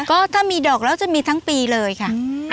ก็ถ้ามีดอกแล้วจะมีทั้งปีเลยค่ะ